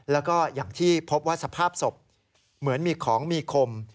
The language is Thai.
แล้วก็อย่างที่พบว่าสภาพศพเหมือนมีของมีคม